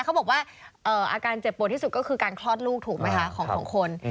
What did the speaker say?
เขาบอกว่าอาการเจ็บปวดที่สุดก็คือการคลอดลูกถูกไหมคะของคน